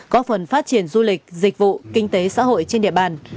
có phần phát triển du lịch dịch vụ kinh tế xã hội trên địa bàn